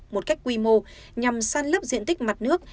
một cách quy mô nhằm san lấp diện tích mặt nước